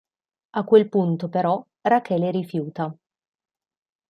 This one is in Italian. A quel punto però Rachele rifiuta.